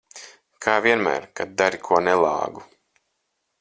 Kā vienmēr, kad dari ko nelāgu.